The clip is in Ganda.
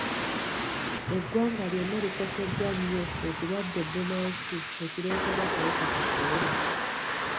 Eggwanga lyonna likoseddwa nnyo ekirwadde bbunansi ekireetebwa akawuka ka kolona.